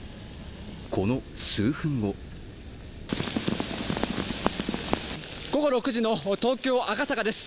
この数分後午後６時の東京・赤坂です。